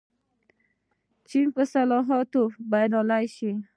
چین په اصلاحاتو بریالی شو.